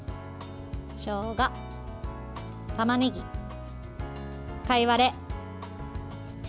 しょうが、たまねぎ、かいわれ。